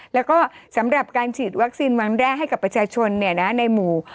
แล้วก็สำหรับการฉีดวัคซีนวันแรกให้กับประชาชนในหมู่